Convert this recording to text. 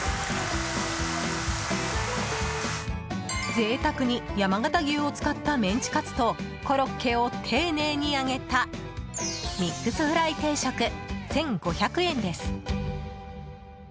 贅沢に山形牛を使ったメンチカツとコロッケを丁寧に揚げたミックスフライ定食１５００円です。